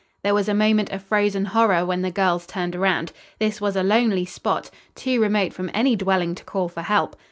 There was a moment of frozen horror when the girls turned around. This was a lonely spot, too remote from any dwelling to call for help.